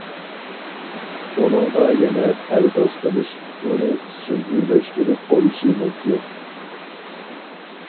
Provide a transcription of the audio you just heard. ئۇنىڭغا يەنە پەرداز قىلىش ئۇنى سۈنئىيلەشتۈرۈپ قويۇشى مۇمكىن.